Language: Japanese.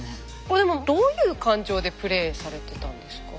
でもどういう感情でプレーされてたんですか？